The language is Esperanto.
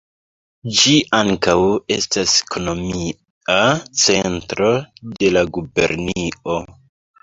Ĝi ankaŭ estas ekonomia centro de la gubernio.